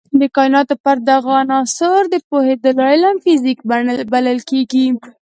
د کایناتو پر دغو عناصرو د پوهېدو علم فزیک بلل کېږي.